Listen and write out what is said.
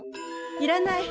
いらない。